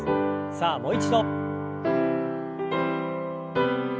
さあもう一度。